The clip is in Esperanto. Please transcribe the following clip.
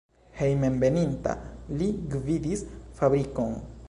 Hejmenveninta li gvidis fabrikon.